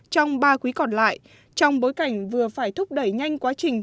trong ba quý còn lại trong bối cảnh vừa phải thúc đẩy nhanh quá trình